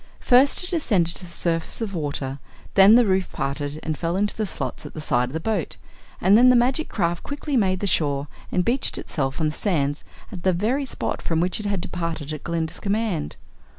First it ascended to the surface of the water, then the roof parted and fell into the slots at the side of the boat, and then the magic craft quickly made the shore and beached itself on the sands at the very spot from which it had departed at Glinda's command.